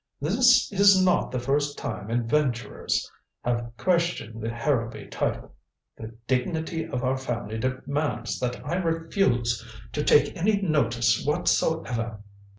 This is not the first time adventurers have questioned the Harrowby title. The dignity of our family demands that I refuse to take any notice whatsoever."